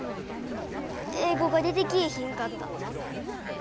英語が出てきいひんかった。